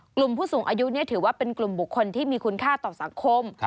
กลุ่มผู้สูงอายุถือว่าเป็นกลุ่มบุคคลที่มีคุณค่าต่อสังคม